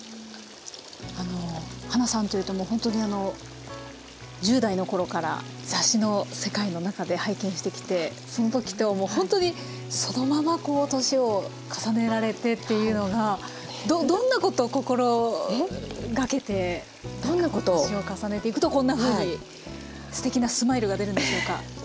あのはなさんというともうほんとにあの１０代の頃から雑誌の世界の中で拝見してきてその時ともうほんとにそのままこう年を重ねられてっていうのがどんなことを心がけてどんなことを年を重ねていくとこんなふうにすてきなスマイルが出るんでしょうか？